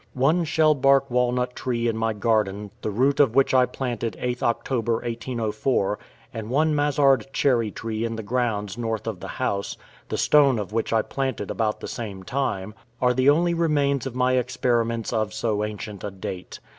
One shellbark walnut tree in my garden, the root of which I planted 8th October, 1804, and one Mazzard cherry tree in the grounds north of the house, the stone of which I planted about the same time, are the only remains of my experiments of so ancient a date.